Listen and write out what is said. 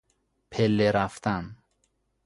پله رفتن